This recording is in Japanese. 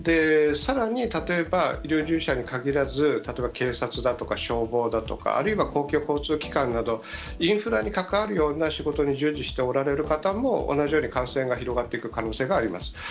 さらに、例えば医療従事者に限らず、例えば警察だとか消防だとか、あるいは公共交通機関など、インフラに関わるような仕事に従事しておられる方も、同じように感染が広がっていく可能性があります。